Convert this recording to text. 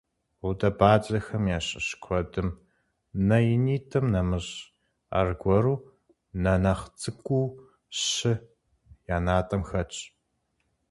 Гъудэбадзэхэм ящыщ куэдым, нэ инитӏым нэмыщӏ, аргуэру нэ нэхъ цӏыкӏуу щы я натӏэм хэтщ.